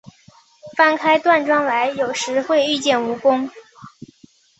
翻开断砖来，有时会遇见蜈蚣